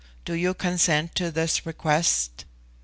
Do you consent to this request?"